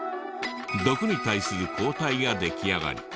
毒に対する抗体が出来上がり